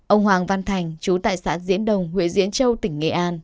ông hoàng văn thành chú tại xã diễn đồng huyện diễn châu tỉnh nghệ an